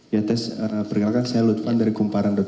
ya tes perkenalkan saya lutfan dari kumparan com